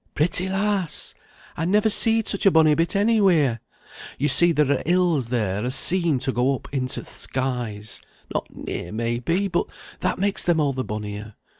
"Pretty, lass! I never seed such a bonny bit anywhere. You see there are hills there as seem to go up into th' skies, not near may be, but that makes them all the bonnier.